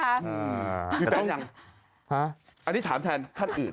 มีแฟนหรือยังอันนี้ถามแทนท่านอื่น